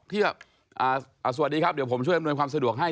สวัสดีครับเดี๋ยวผมช่วยอำนวยความสะดวกให้